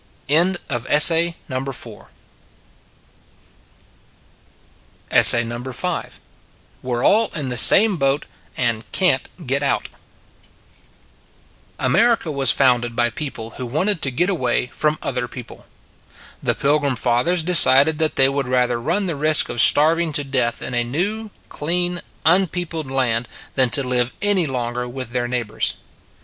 WE RE ALL IN THE SAME BOAT: AND CAN T GET OUT AMERICA was founded by people who wanted to get away from other people. The Pilgrim Fathers decided that they would rather run the risk of starving to death in a new, clean, unpeopled land than to live any longer with their neighbors.